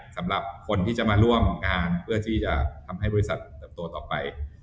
สำหรับคนที่จะมาร่วมงานเพื่อที่จะทำให้บริษัทเติบโตต่อไป